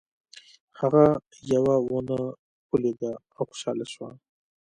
هغه یوه ونه ولیده او خوشحاله شو.